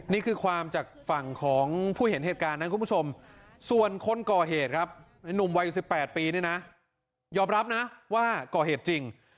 นี่คือความจากฝั่งของผู้เห็นเหตุการณ์นะคุณผู้ชมส่วนคนก่อเหตุครับในหนุ่มวัย๑๘ปีเนี่ยนะยอมรับนะว่าก่อเหตุจริง